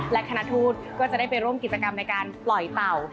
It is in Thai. และคณะทูตก็จะได้ไปร่วมกิจกรรมในการปล่อยเต่า